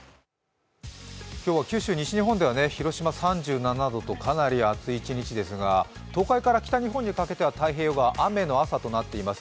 今日は九州、西日本では広島は３７度と暑い１日ですが東海から北日本にかけては太平洋側雨の朝となっています。